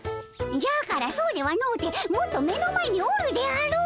じゃからそうではのうてもっと目の前におるであろう！